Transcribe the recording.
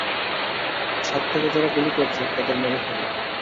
ছাদ থেকে যারা গুলি করছে তাদের মেরে ফেল!